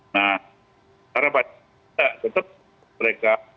nah karena banyaknya tetap mereka